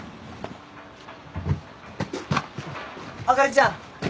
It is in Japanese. あかりちゃん